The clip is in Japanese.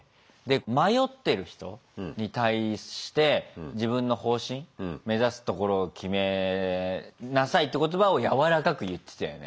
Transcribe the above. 迷ってる人に対して自分の方針目指すところを決めなさいって言葉をやわらかく言ってたよね。